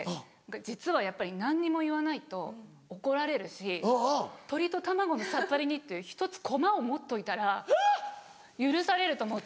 実はやっぱり何にも言わないと怒られるし鶏と卵のさっぱり煮っていう１つ駒を持っといたら許されると思って。